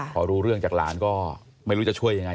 พอรู้เรื่องจากหลานก็ไม่รู้จะช่วยยังไง